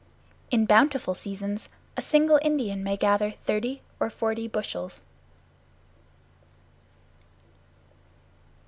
In bountiful seasons a single Indian may gather thirty or forty bushels.